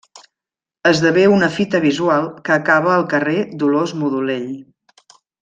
Esdevé una fita visual que acaba el carrer Dolors Modolell.